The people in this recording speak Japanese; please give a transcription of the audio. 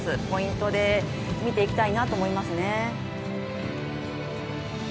ポイントで見ていきたいなと思いますね。